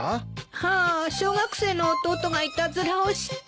はあ小学生の弟がいたずらをして。